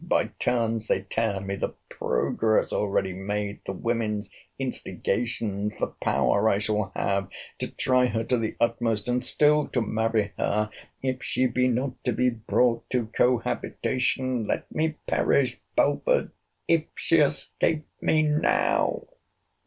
by turns they tear me! The progress already made—the women's instigations—the power I shall have to try her to the utmost, and still to marry her, if she be not to be brought to cohabitation—let me perish, Belford, if she escape me now!